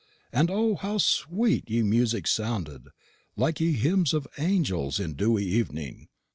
and O, how sweet ye music sounded, like ye hymns of angels in ye dewy evening!